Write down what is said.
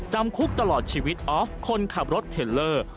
จำคุกตลอดชีวิตออฟคนขับรถเทลเลอร์